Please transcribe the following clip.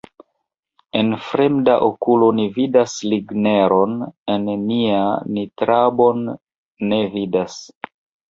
En fremda okulo ni vidas ligneron, en nia ni trabon ne vidas.